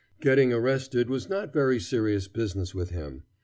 Getting arrested was not very serious business with him.